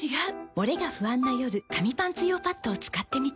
モレが不安な夜紙パンツ用パッドを使ってみた。